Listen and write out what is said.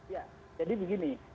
ya jadi begini